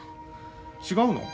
違うの？